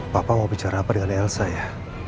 papa mau bicara apa dengan elsa ya